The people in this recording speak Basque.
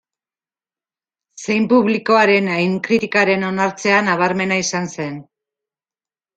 Zein publikoaren hain kritikaren onartzea nabarmena izan zen.